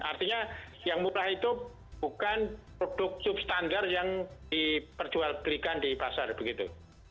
artinya yang murah itu bukan produk substandar yang diperjual belikan di pasar begitu